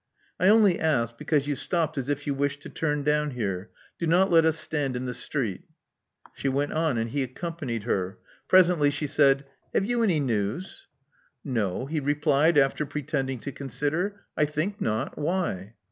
I only asked because you stopped as if you wished to turn down here. Do not let us stand in the street. " She went on; and he accompanied her. Presently she said : '*Have you any news?" No," he replied, after pretending to consider. I think not. Why?"